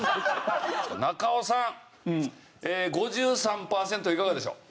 中尾さん５３パーセントいかがでしょう？